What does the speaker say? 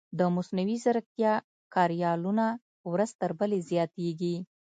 د مصنوعي ځیرکتیا کاریالونه ورځ تر بلې زیاتېږي.